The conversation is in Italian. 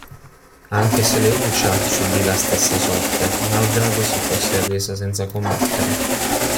Anche Seleucia subì la stessa sorte malgrado si fosse arresa senza combattere.